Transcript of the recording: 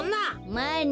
まあね。